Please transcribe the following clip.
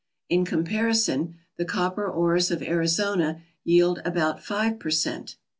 In comparison, the copper ores of Arizona yield about five per cent.